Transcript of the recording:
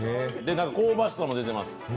香ばしさも出てます。